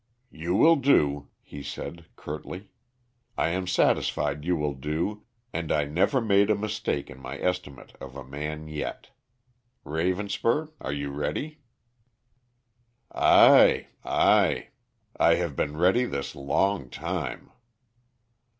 "You will do," he said curtly. "I am satisfied you will do and I never made a mistake in my estimate of a man yet. Ravenspur, are you ready?" "Ay, ay. I have been ready this long time."